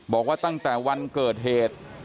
บอกว่าตั้งแต่วันเกิดเหตุ